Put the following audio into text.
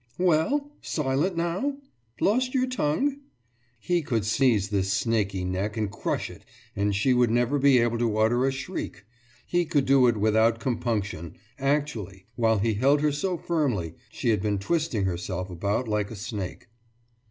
»Well? Silent now? Lost your tongue?« He could seize this snaky neck and crush it and she would never be able to utter a shriek. He could do it without compunction; actually, while he held her so firmly, she had been twisting herself about like a snake.